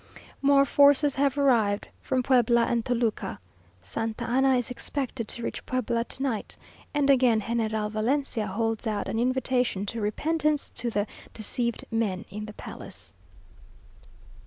More forces have arrived from Puebla and Toluca. Santa Anna is expected to reach Puebla to night, and again General Valencia holds out an invitation to repentance to the "deceived men in the palace."